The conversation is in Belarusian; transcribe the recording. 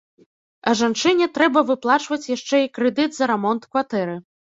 А жанчыне трэба выплачваць яшчэ і крэдыт за рамонт кватэры.